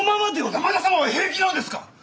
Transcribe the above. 山田様は平気なのですか！？